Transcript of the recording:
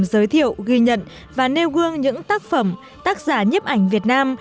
giới thiệu ghi nhận và nêu gương những tác phẩm tác giả nhếp ảnh việt nam